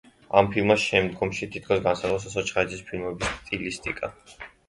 ამ ფილმმა შემდგომში თითქოს განსაზღვრა სოსო ჩხაიძის ფილმების სტილისტიკა.